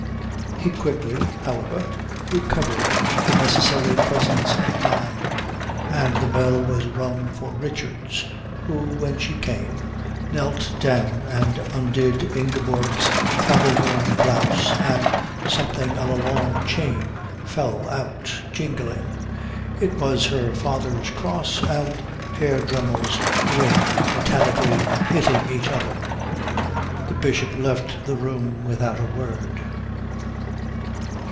He quickly, however, recovered the necessary presence of mind and the bell was rung for Richards; who, when she came, knelt down and undid Ingeborg's travel worn blouse, and something on a long chain fell out jingling. It was her father's cross and Herr Dremmel's ring metallically hitting each other. The Bishop left the room without a word.